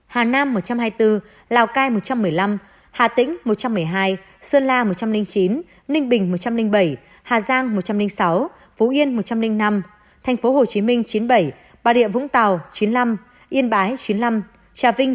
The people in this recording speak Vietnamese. hà nam một trăm hai mươi bốn lào cai một trăm một mươi năm hà tĩnh một trăm một mươi hai sơn la một trăm linh chín ninh bình một trăm linh bảy hà giang một trăm linh sáu phú yên một trăm linh năm tp hcm chín mươi bảy bà rịa vũng tàu chín mươi năm yên bái chín mươi năm trà vinh